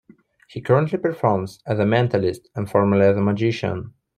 He currently performs as a mentalist and formerly as a magician.